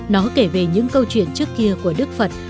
nó kể về những câu chuyện trước kia của đức phật